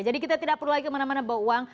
jadi kita tidak perlu lagi kemana mana bawa uang